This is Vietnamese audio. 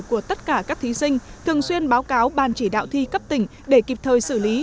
của tất cả các thí sinh thường xuyên báo cáo ban chỉ đạo thi cấp tỉnh để kịp thời xử lý